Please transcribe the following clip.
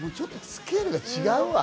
スケールが違うな。